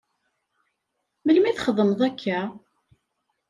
Melmi i txedmeḍ akka?